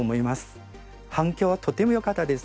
反響はとても良かったです。